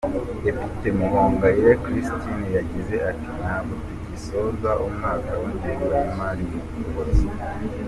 Depite Muhongayire Christine yagize ati “Ntabwo tugisoza umwaka w’ingengo y’imari mu Ukuboza.